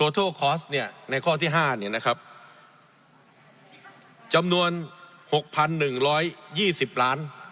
เนี่ยในข้อที่ห้าเนี่ยนะครับจำนวนหกพันหนึ่งร้อยยี่สิบล้าน